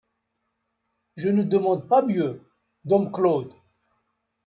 Je ne demande pas mieux, dom Claude.